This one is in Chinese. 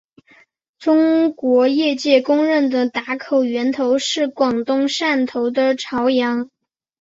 中国业界公认的打口源头是广东汕头的潮阳。